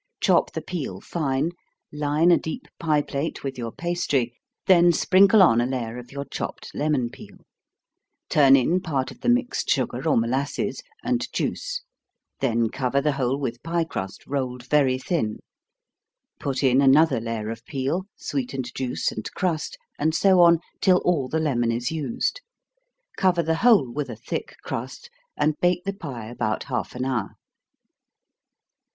Chop the peel fine, line a deep pie plate with your pastry, then sprinkle on a layer of your chopped lemon peel, turn in part of the mixed sugar or molasses, and juice, then cover the whole with pie crust, rolled very thin put in another layer of peel, sweetened juice, and crust, and so on, till all the lemon is used. Cover the whole with a thick crust, and bake the pie about half an hour.